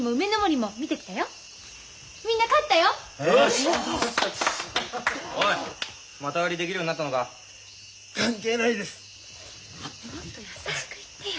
もっと優しく言ってよ。